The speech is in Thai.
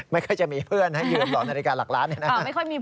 ไม่ค่อยจะมีเพื่อนให้ยืมหลอกนาฬิกาหลักร้าน